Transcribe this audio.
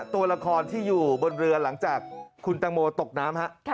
ตัวละครที่อยู่บนเรือหลังจากคุณตังโมตกน้ำ